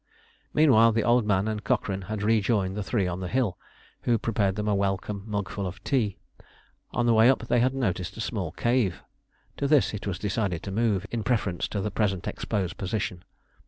Meanwhile the Old Man and Cochrane had rejoined the three on the hill, who prepared them a welcome mugful of tea. On the way up they had noticed a small cave. To this it was decided to move, in preference to the present exposed position.